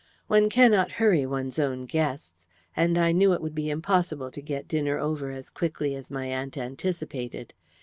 One cannot hurry one's own guests, and I knew it would be impossible to get dinner over as quickly as my aunt anticipated.